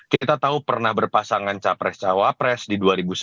kita tahu pernah berpasangan capres cawapres di dua ribu sembilan belas